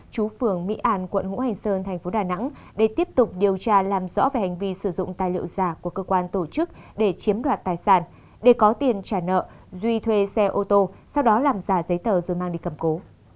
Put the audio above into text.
chú phường mỹ an quận hữu hành sơn thành phố đà nẵng để tiếp tục điều tra làm rõ về hành vi sử dụng tài liệu giả của cơ quan tổ chức để chiếm đoạt tài sản để có tiền trả nợ duy thuê xe ô tô sau đó làm giả giấy tờ rồi mang đi cầm cố